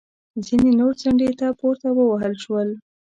ځینې نور څنډې ته پورې ووهل شول